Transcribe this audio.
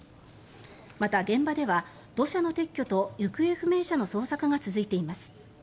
また、現場では土砂の撤去と行方不明者の捜索が続いています。